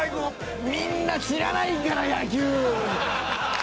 みんな知らないから野球。